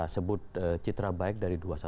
sebut citra baik dari dua ratus dua belas